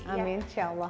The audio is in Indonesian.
amin insya allah